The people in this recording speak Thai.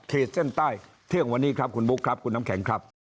คุณมุกครับคุณน้ำแข็งครับ